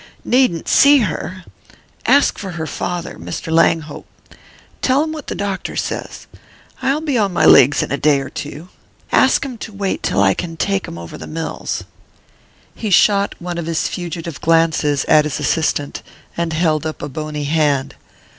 "Needn't see her ask for her father, Mr. Langhope. Tell him what the doctor says I'll be on my legs in a day or two ask 'em to wait till I can take 'em over the mills." He shot one of his fugitive glances at his assistant, and held up a bony hand.